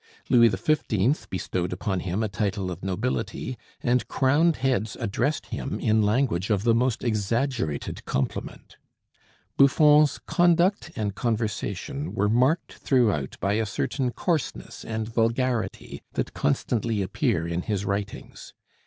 Louis XV. bestowed upon him a title of nobility, and crowned heads "addressed him in language of the most exaggerated compliment." Buffon's conduct and conversation were marked throughout by a certain coarseness and vulgarity that constantly appear in his writings.